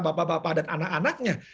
bapak bapak dan anak anaknya